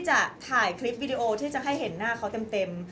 จะถ่ายคลิปวิดีโอที่จะให้เห็นหน้าเขาเต็ม